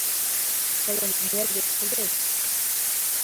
Тыйын нервет кузе?